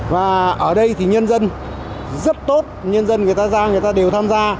và ở đây thì nhân dân rất tốt nhân dân người ta ra người ta đều tham gia